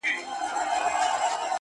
مخته چي دښمن راسي تېره نه وي؛